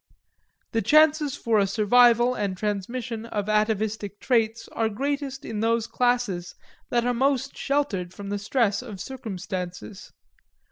The chances for a survival and transmission of atavistic traits are greatest in those classes that are most sheltered from the stress of circumstances.